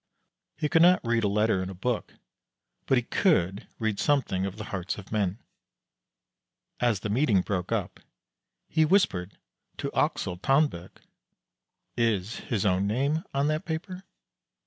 He could not read a letter in a book, but he could read something of the hearts of men. As the meeting broke up he whispered to Axel Tanberg: "Is his own name on that paper?"